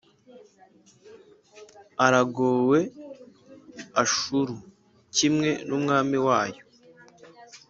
Iragowe Ashuru, kimwe n’umwami wayo